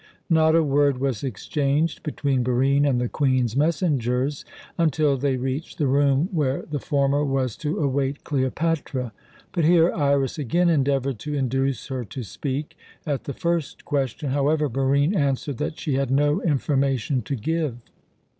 Not a word was exchanged between Barine and the Queen's messengers until they reached the room where the former was to await Cleopatra; but here Iras again endeavoured to induce her to speak. At the first question, however, Barine answered that she had no information to give.